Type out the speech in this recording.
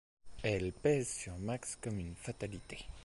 Elle pèse sur Max comme une fatalité.